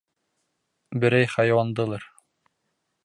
Берәй хайуандылыр.